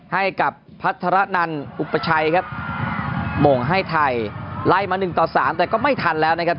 ให้กับพัฒนานอุปชัยครับโหม่งให้ไทยไล่มา๑๓แต่ก็ไม่ทันแล้วนะครับ